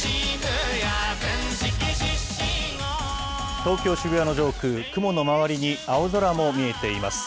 東京・渋谷の上空、雲の周りに青空も見えています。